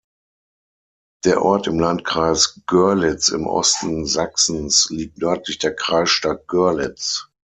Der Ort im Landkreis Görlitz im Osten Sachsens liegt nördlich der Kreisstadt Görlitz.